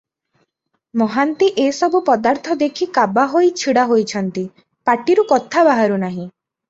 ମହାନ୍ତି ଏ ସବୁ ପଦାର୍ଥ ଦେଖି କାବା ହୋଇ ଛିଡ଼ା ହୋଇଛନ୍ତି, ପାଟିରୁ କଥା ବାହାରୁ ନାହିଁ ।